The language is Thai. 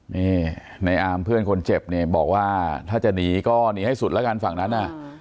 นี่ในอาร์มเพื่อนคนเจ็บเนี่ยบอกว่าถ้าจะหนีก็หนีให้สุดแล้วกันฝั่งนั้นน่ะ